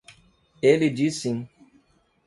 Ele diz sim.